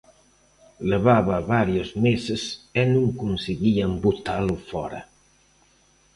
Levaba varios meses e non conseguían botalo fóra.